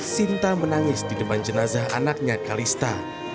sinta menangis di depan jenazah anaknya kalista